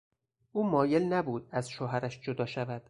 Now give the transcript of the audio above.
او مایل نبود از شوهرش جدا شود.